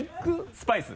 スパイス。